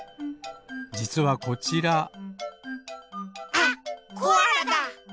じつはこちらあっコアラだ！